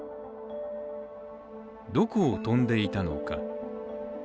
どこを飛んでいたのか。